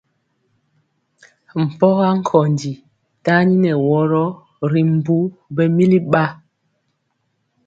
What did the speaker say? Mpɔga nkondi taniŋeworo ri mbu ɓɛmili ba.